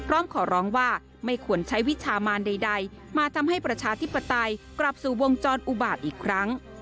พร้อมขอร้องว่าไม่ควรใช้วิชามานใดมาทำให้ประชาธิปไตยกลับสู่วงจรอุบาตอีกครั้ง